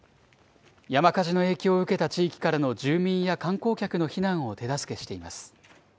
山火事の影響を受けた地域からの住民や観光客の避難を手助けしています。